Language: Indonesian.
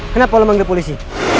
kenapa lu manggil polisi